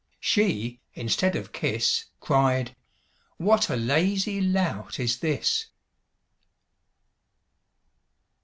She, instead of kiss, Cried, 'What a lazy lout is this!'